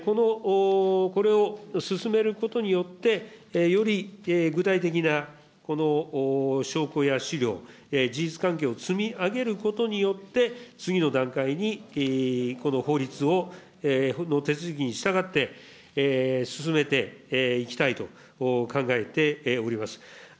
これを進めることによって、より具体的なこの証拠や資料、事実関係を積み上げることによって、次の段階にこの法律の手続きに従って、進めていきたいと考えております。